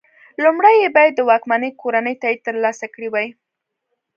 لومړی یې باید د واکمنې کورنۍ تایید ترلاسه کړی وای.